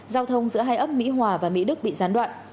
giao thông giữa hai ấp mỹ hòa và mỹ đức bị gián đoạn